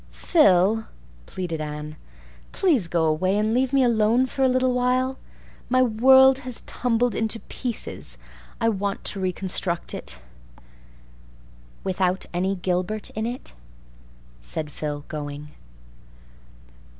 "Phil," pleaded Anne, "please go away and leave me alone for a little while. My world has tumbled into pieces. I want to reconstruct it." "Without any Gilbert in it?" said Phil, going.